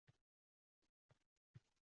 Onajonim jannatim Otam davlatim